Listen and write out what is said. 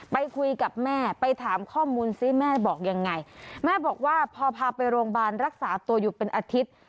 ไปคุยกับแม่ไปถามข้อมูลซิแม่บอกยังไงแม่บอกว่าพอพาไปโรงพยาบาลรักษาตัวอยู่เป็นอาทิตย์